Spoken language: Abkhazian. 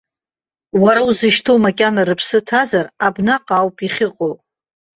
Уара узышьҭоу макьана рыԥсы ҭазар, абнаҟа ауп иахьыҟоу!